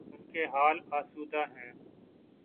ان کے حال آسودہ ہیں۔